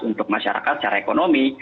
untuk masyarakat secara ekonomi